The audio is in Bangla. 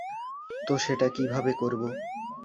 তো, সেটা কীভাবে করবো?